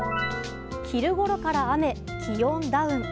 昼頃から雨、気温ダウン。